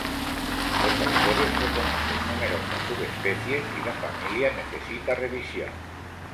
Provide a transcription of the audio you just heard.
Los autores reconocen numerosas subespecies y la familia necesita revisión.